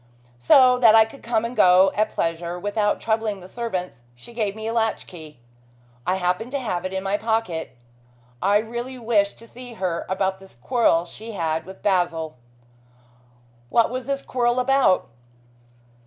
So that I could come and go at pleasure without troubling the servants, she gave me a latch key. I happened to have it in my pocket. I really wished to see her about this quarrel she had with Basil." "What was this quarrel about?"